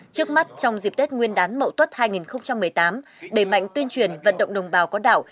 trước mắt trong dịp tết nguyên đán mậu tuất hai nghìn một mươi tám đẩy mạnh tuyên truyền vận động đồng bào có đảo